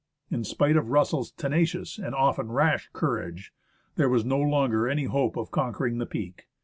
In spite of Russell's tenacious and often rash courage, there was no longer any hope of conquering the peak.